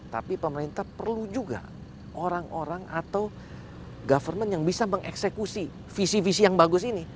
tapi pemerintah perlu juga orang orang atau government yang bisa mengeksekusi visi visi yang bagus ini